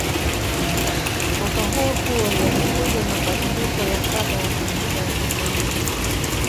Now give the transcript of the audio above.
Mwaka huohuo yalikuja mabadiliko ya saba ya Katiba ya Tanzania